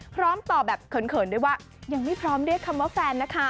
พร้อมตอบแบบเขินด้วยว่ายังไม่พร้อมเรียกคำว่าแฟนนะคะ